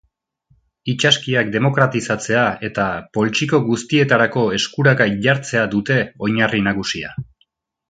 Itsaskiak demokratizatzea eta poltsiko guztietarako eskuragai jartzea dute oinarri nagusia.